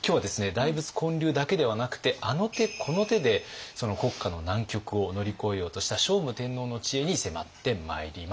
大仏建立だけではなくてあの手この手でその国家の難局を乗り越えようとした聖武天皇の知恵に迫ってまいります。